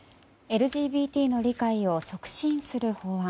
ＬＧＢＴの理解を促進する法案。